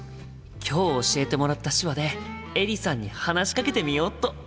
今日教えてもらった手話でエリさんに話しかけてみよっと！